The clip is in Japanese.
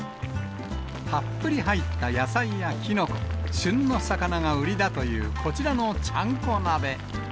たっぷり入った野菜やきのこ、旬の魚が売りだというこちらのちゃんこ鍋。